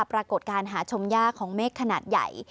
ปรากฏการณ์หาชมยากของเมฆขนาดใหญ่